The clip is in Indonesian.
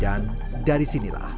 dan dari sini